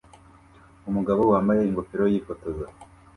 Umugabo wambaye ingofero yifotoza